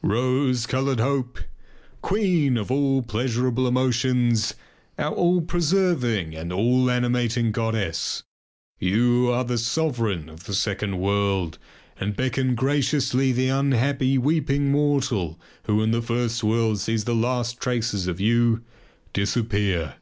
Rose coloured hope! Queen of all pleasurable emotions, our all preserving and all animating goddess! You are the sovereign of the second world and beckon graciously the unhappy weeping mortal who in the first world sees the last traces of you disappear.